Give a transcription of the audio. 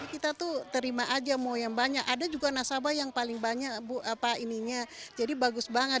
kita tuh terima aja mau yang banyak ada juga nasabah yang paling banyak bu apa ininya jadi bagus banget